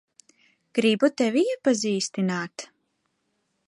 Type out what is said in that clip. Gribu tevi iepazīstināt.